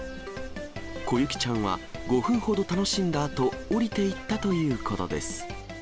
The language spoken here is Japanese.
こゆきちゃんは５分ほど楽しんだあと、降りていったということです。